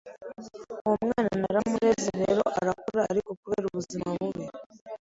uwo mwana naramureze rero arakura ariko kubera ubuzima bubi